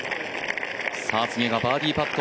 さあ次がバーディーパット。